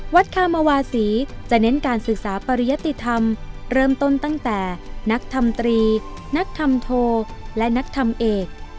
คามวาศีจะเน้นการศึกษาปริยติธรรมเริ่มต้นตั้งแต่นักทำตรีนักธรรมโทและนักทำเอก